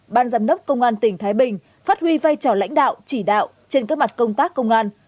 ban giám đốc công an tỉnh thái bình phát huy vai trò lãnh đạo chỉ đạo trên các mặt công tác công an